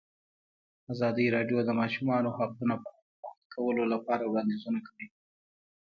ازادي راډیو د د ماشومانو حقونه په اړه د حل کولو لپاره وړاندیزونه کړي.